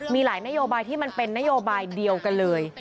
มีหลายนโยบายที่มันเป็นนโยบายเดียวกันเลย